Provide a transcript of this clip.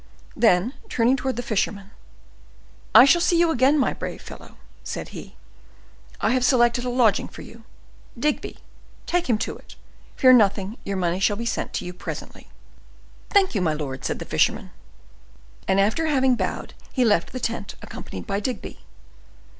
Then turning towards the fisherman,—"I shall see you again, my brave fellow," said he; "I have selected a lodging for you. Digby, take him to it. Fear nothing; your money shall be sent to you presently." "Thank you, my lord," said the fisherman, and after having bowed, he left the tent, accompanied by Digby.